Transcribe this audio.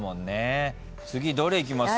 次どれいきます？